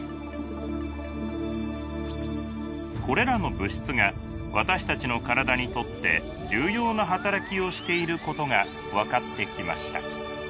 これらの物質が私たちの体にとって重要な働きをしていることが分かってきました。